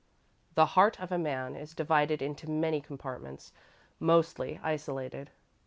The heart of a man is divided into many compartments, mostly isolated.